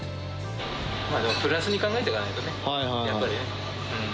プラスに考えていかないとね、やっぱりね。